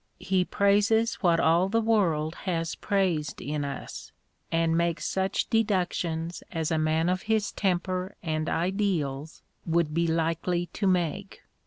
He praises what all the world has praised in us, and makes such deductions as a man of his temper and ideals would be likely to make.